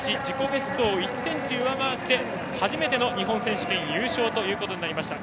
ベストを１ｃｍ上回って初めての日本選手権優勝となりました。